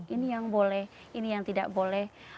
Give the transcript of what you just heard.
ini yang boleh ini yang tidak boleh